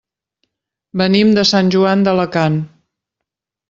Venim de Sant Joan d'Alacant.